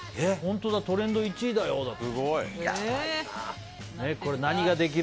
トレンド１位だよだって。